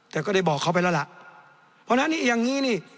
แต่ก็ได้บอกเขาไปแล้วล่ะเพราะฉะนั้นอย่างนี้นี่